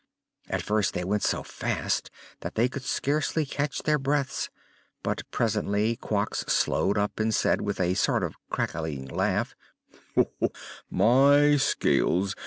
At first they went so fast that they could scarcely catch their breaths, but presently Quox slowed up and said with a sort of cackling laugh: "My scales!